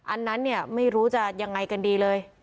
อันนั้นเนี่ยไม่รู้จะยังไงกันดีเลย